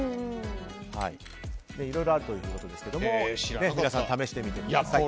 いろいろあるということですが皆さん、試してみてください。